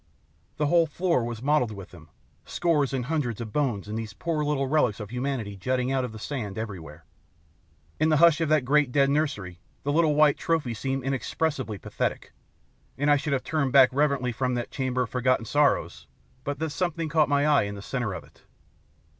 The whole floor was mottled with them scores and hundreds of bones and those poor little relics of humanity jutting out of the sand everywhere. In the hush of that great dead nursery the little white trophies seemed inexpressibly pathetic, and I should have turned back reverently from that chamber of forgotten sorrows but that something caught my eye in the centre of it.